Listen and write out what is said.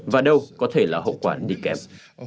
và đâu có thể là hậu quả đi kẹp